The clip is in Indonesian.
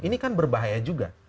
ini kan berbahaya juga